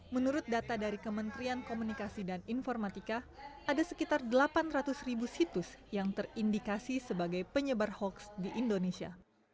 menurut data dari kementerian komunikasi dan informatika ada sekitar delapan ratus ribu situs yang terindikasi sebagai penyebar hoax di indonesia